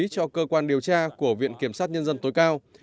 cho cơ quan điều tra của viện kiểm sát nhân dân tối cao